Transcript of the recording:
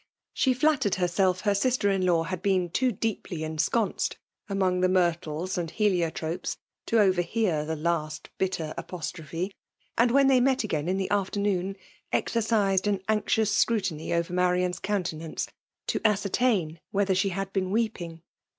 She flattered herself her sister in law had been too deeply en sconced among the myrtles and heliotropes to overhear the last bitter apostrophe ; and> when they met again in the afternoon, exercised an tiin^ous scinitiny over Marian s countenance^ to ascertain 'whether she had been weeping.